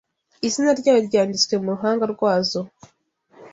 izina ryayo ryanditswe mu ruhanga rwazo